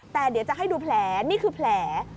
แต่เดี๋ยวจะให้ดูแผลนี่คือแผล